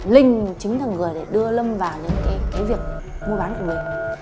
linh chính thường gửi để đưa lâm vào những cái việc mua bán cửa bệnh